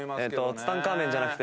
ツタンカーメンじゃなくて。